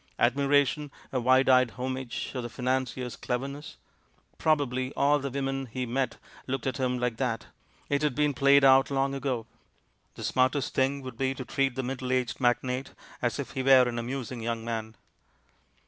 Admiration, a wide eyed homage of the financier's cleverness ? Prob ably all the women he met looked at him like that — it had been played out long ago. The smartest thing would be to treat the middle aged magnate as if he were an amusing young man!